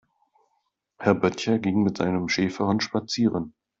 Herr Böttcher ging mit seinem Schäferhund spazieren.